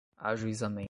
ajuizamento